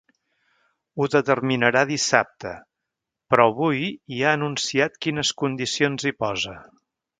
Ho determinarà dissabte, però avui ja ha anunciat quines condicions hi posa.